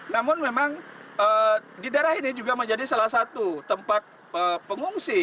namun memang di daerah ini juga menjadi salah satu tempat pengungsi